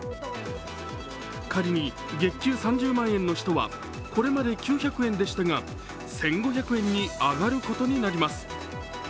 仮に月給３０万円の人はこれまで９００円でしたが１５００円に上がることになります。